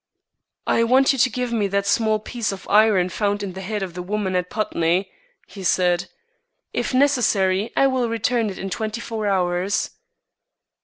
"I want you to give me that small piece of iron found in the head of the woman at Putney," he said. "If necessary, I will return it in twenty four hours."